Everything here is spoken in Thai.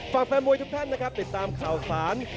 แฟนมวยทุกท่านนะครับติดตามข่าวสาร